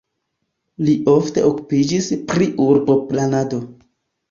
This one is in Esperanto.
Li ofte okupiĝis pri urboplanado.